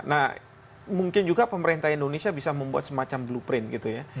nah mungkin juga pemerintah indonesia bisa membuat semacam blueprint gitu ya